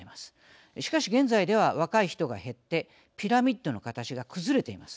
しかし現在では若い人が減ってピラミッドの形が崩れています。